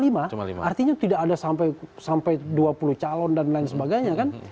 artinya tidak ada sampai dua puluh calon dan lain sebagainya kan